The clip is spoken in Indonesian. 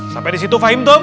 sampai disitu fahim tuh